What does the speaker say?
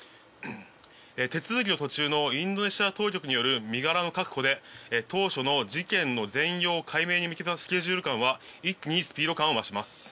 手続きの途中のインドネシア当局による身柄の確保で当初の事件の全容解明に向けたスケジュール感は一気にスピード感を増します。